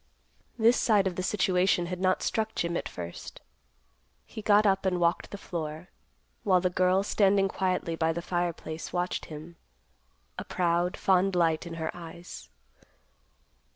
This side of the situation had not struck Jim at first. He got up and walked the floor, while the girl, standing quietly by the fireplace, watched him, a proud, fond light in her eyes.